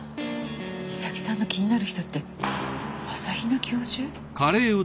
美咲さんの気になる人って朝比奈教授？